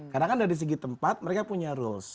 karena kan dari segi tempat mereka punya rules